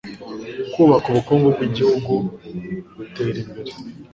kubaka ubukungu bw igihugu butera imbere